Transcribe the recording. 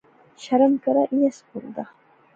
شرم کرا، ایہہ سکول دا